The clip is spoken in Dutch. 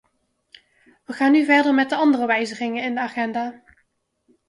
We gaan nu verder met de andere wijzigingen in de agenda.